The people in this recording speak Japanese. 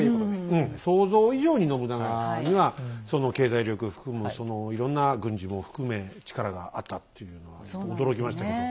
うん想像以上に信長には経済力含むそのいろんな軍事も含め力があったっていうのは驚きましたけど。